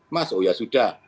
mas oh ya sudah